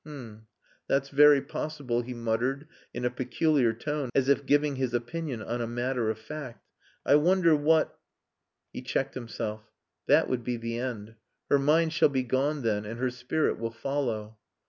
"H'm. That's very possible," he muttered in a peculiar tone, as if giving his opinion on a matter of fact. "I wonder what...." He checked himself. "That would be the end. Her mind shall be gone then, and her spirit will follow."